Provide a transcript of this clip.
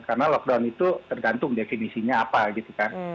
karena lockdown itu tergantung definisinya apa gitu kan